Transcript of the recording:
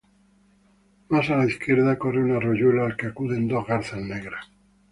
Más a la izquierda, corre un arroyuelo al que acuden dos garzas negras.